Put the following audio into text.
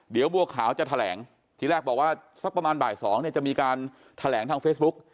เดี๋ยวบัวขาวจะแถลงทีแรกบอกว่าสักประมาณบ่าย๒เนี่ยจะมีการแถลงทางเฟซบุ๊ก